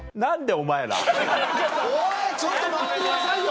おいちょっと待ってくださいよ！